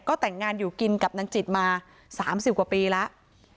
ก็แต่งงานอยู่กินกับนางจิตมา๓๐กว่าปีแล้ว